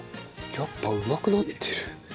やっぱうまくなってる。